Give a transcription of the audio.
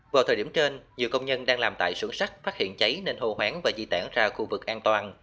vào thời điểm trên nhiều công nhân đang làm tại xưởng sắt phát hiện cháy nên hồ hoảng và di tản ra khu vực an toàn